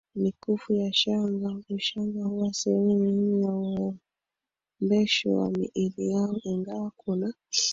mikufu ya shanga Ushanga huwa sehemu muhimu ya urembesho wa miili yao Ingawa kuna